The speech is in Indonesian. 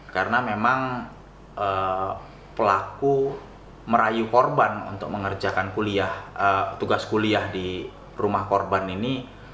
karena memang pelaku merayu korban untuk mengerjakan tugas kuliah di rumah korban ini